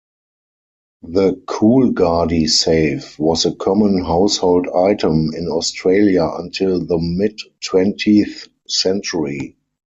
The Coolgardie safe was a common household item in Australia until the mid-twentieth century.